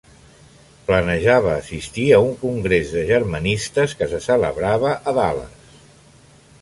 Planejava assistir a un congrés de germanistes que se celebrava a Dallas.